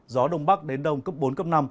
gió đông bắc đến đông cấp bốn cấp năm